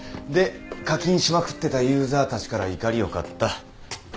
で課金しまくってたユーザーたちから怒りを買った。